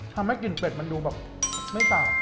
ทำให้กลิ่นปใหดมันดูแบบไม่ต่าง